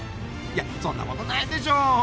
いやそんなことないでしょ